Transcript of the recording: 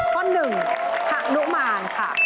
ข้อหนึ่งฮานุมานค่ะ